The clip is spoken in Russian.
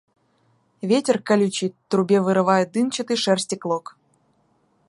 Ветер колючий трубе вырывает дымчатой шерсти клок.